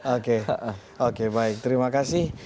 oke oke baik terima kasih